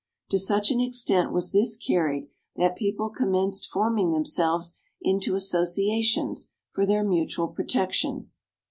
To such an extent was this carried, that people commenced forming themselves into associations for their mutual protection.